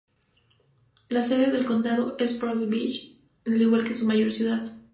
La sede del condado es Brownsville, al igual que su mayor ciudad.